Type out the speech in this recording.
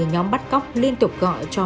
nhóm bắt cóc liên tục gọi cho